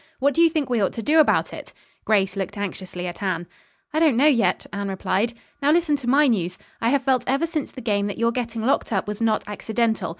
What do you think we ought to do about it?" Grace looked anxiously at Anne. "I don't know, yet," Anne replied. "Now listen to my news. I have felt ever since the game that your getting locked up was not accidental.